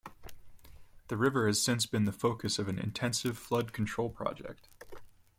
The river has since been the focus of an intensive flood control project.